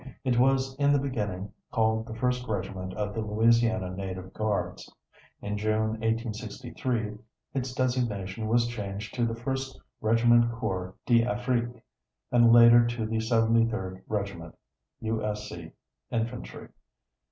It was in the beginning called the First Regiment of the Louisiana Native Guards. In June, 1863, its designation was changed to the First Regiment Corps D'Afrique, and later to the 73d Regiment U. S. C. Infantry.